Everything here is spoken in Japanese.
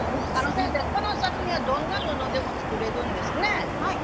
先生この作品はどんな布でも作れるんですね。